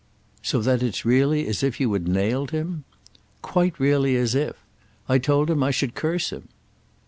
"So that it's really as if you had nailed him?" "Quite really as if—! I told him I should curse him."